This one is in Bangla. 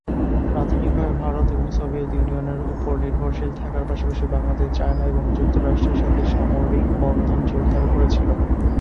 প্রাথমিকভাবে ভারত এবং সোভিয়েত ইউনিয়নের উপর নির্ভরশীল থাকার পাশাপাশি বাংলাদেশ চায়না এবং যুক্তরাষ্ট্রের সাথে সামরিক বন্ধন জোরদার করেছিলো।